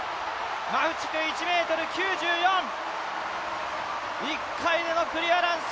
マフチク、１ｍ９４１回でのクリアランス。